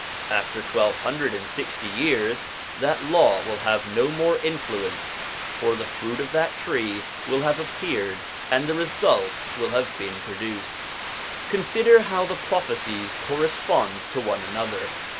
After twelve hundred and sixty years that Law will have no more influence, for the fruit of that tree will have appeared, and the result will have been produced. Consider how the prophecies correspond to one another.